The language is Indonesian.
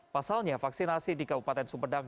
pasalnya vaksinasi di kabupaten sumedang